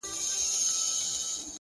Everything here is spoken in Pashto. ریښتینی رهبر الهام ورکوي!